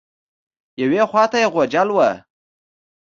یوې خوا ته یې غوجل وه.